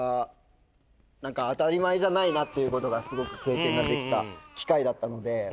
何か当たり前じゃないなっていうことがすごく経験ができた機会だったので。